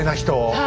はい。